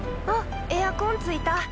あっエアコンついた。